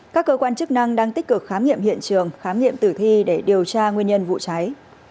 các cơ quan chức năng đang tích cực khám nghiệm hiện trường khám nghiệm tử thi để điều tra nguyên nhân vụ cháy